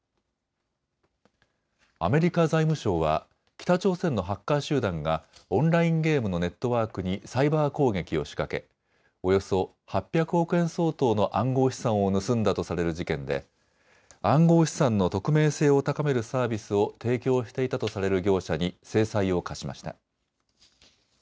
アメリカ財務省は北朝鮮のハッカー集団がオンラインゲームのネットワークにサイバー攻撃を仕掛けおよそ８００億円相当の暗号資産を盗んだとされる事件で暗号資産の匿名性を高めるサービスを提供していたとされる業者に制裁を科しました。